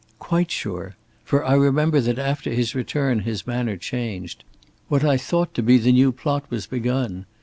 "Quite sure. For I remember that after his return his manner changed. What I thought to be the new plot was begun.